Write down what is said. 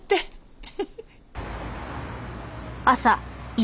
フフフッ。